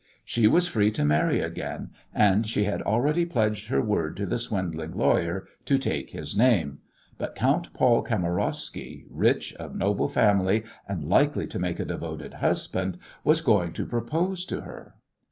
She was free to marry again, and she had already pledged her word to the swindling lawyer to take his name, but Count Paul Kamarowsky, rich, of noble family, and likely to make a devoted husband, was going to propose to her!